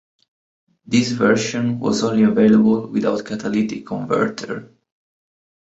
This version was only available without catalytic converter.